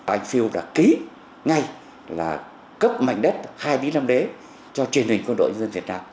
anh phiêu đã ký ngay là cấp mảnh đất hai bí năm đế cho truyền hình quân đội dân việt nam